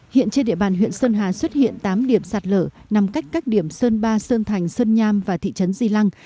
hiện trên địa bàn huyện sơn hà xuất hiện tám điểm sạt lở nằm cách các điểm sơn ba sơn thành sơn nham và thị trấn di lăng